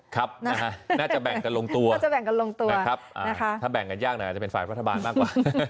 ครับนะฮะน่าจะแบ่งกันลงตัว